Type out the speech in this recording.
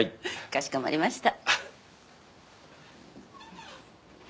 かしこまりました。